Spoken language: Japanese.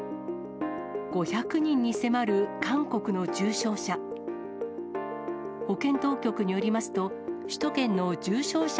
５００人に迫る韓国の重症者。